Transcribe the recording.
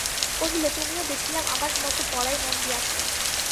কহিল, তুমিও দেখিলাম আমার মতো পড়ায় মন দিয়াছ।